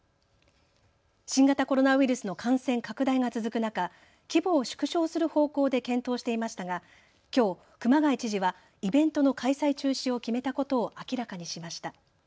新型コロナウイルスの感染拡大が続く中、規模を縮小する方向で検討していましたがきょう、熊谷知事はイベントの開催中止を決めたことを明らかにしました。